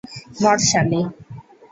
মর, শালি!